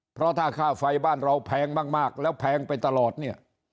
เพราะถ้าค่าไฟบ้านเราแพงมากแล้วแพงไปตลอดเนี่ย